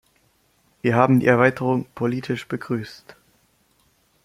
Wir haben die Erweiterung politisch begrüßt.